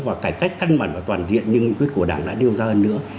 và cải cách căn bản và toàn diện như nghị quyết của đảng đã đưa ra hơn nữa